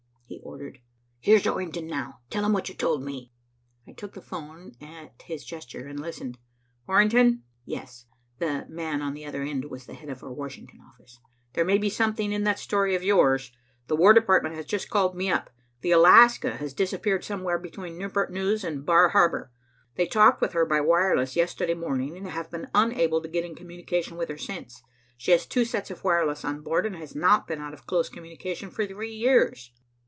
he ordered. "Here's Orrington now. Tell him what you told me." I took the 'phone at his gesture and listened. "Orrington?" "Yes." (The man on the other end was the head of our Washington office.) "There may be something in that story of yours. The War Department has just called me up. The Alaska has disappeared somewhere between Newport News and Bar Harbor. They talked with her by wireless yesterday morning, and have been unable to get into communication with her since. She has two sets of wireless on board, and has not been out of close communication for three years.